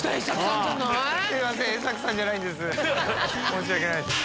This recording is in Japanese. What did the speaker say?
申し訳ないっす。